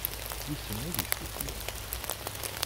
Wissen ma ad icfu fell-am?